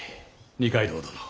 二階堂殿。